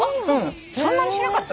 そんなにしなかったと思う。